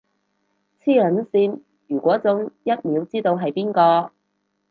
磁能線，如果中，一秒知道係邊個